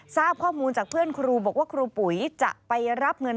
ทราบข้อมูลจากเพื่อนครูบอกว่าครูปุ๋ยจะไปรับเงิน